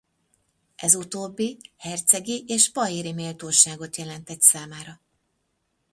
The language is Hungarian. Ez utóbbi hercegi és pairi méltóságot jelentett számára.